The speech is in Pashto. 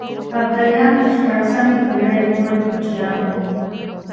ابداليان تر شپاړسمې پېړۍ پورې کوچيان وو.